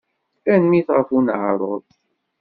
Tanemmirt ɣef uneɛruḍ.